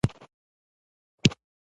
د خبر له مخې تمه ده